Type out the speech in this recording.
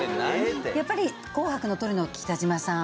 やっぱり『紅白』のトリの北島さん。